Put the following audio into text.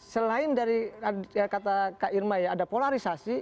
selain dari kata kak irma ya ada polarisasi